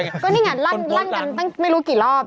ก็นี่ไงลั่นกันตั้งไม่รู้กี่รอบ